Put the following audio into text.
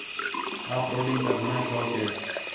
آف روڈنگ تا گھݨاں شوق ہِس